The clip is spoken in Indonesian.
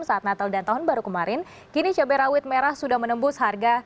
saat natal dan tahun baru kemarin kini cabai rawit merah sudah menembus harga